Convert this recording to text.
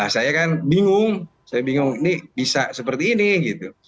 saya kan bingung saya bingung ini bisa seperti ini gitu